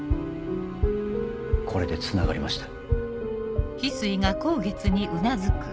これでつながりました。